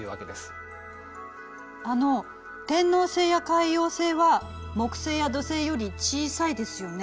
あの天王星や海王星は木星や土星より小さいですよね。